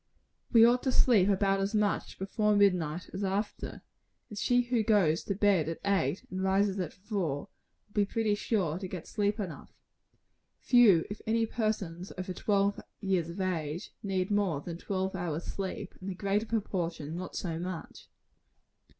We ought to sleep about as much before midnight as after; and she who goes to bed at eight, and rises at four, will be pretty sure to get sleep enough. Few if any persons over twelve years of age, need more than eight hours sleep; and the greater proportion not so much.